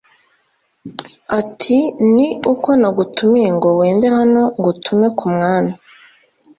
ati “Ni uko nagutumiye ngo wende hano ngutume ku mwami